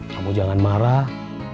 kamu jangan marah